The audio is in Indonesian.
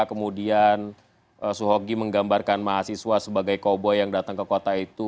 kemudian suhogi menggambarkan mahasiswa sebagai koboi yang datang ke kota itu